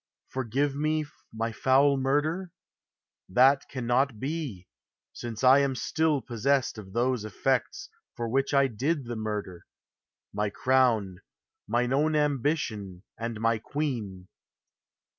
" Forgive me my foul mur der?" That cannot be: since I am still possessed Of those effects for which I did the murder, My crown, mine own ambition and my queen.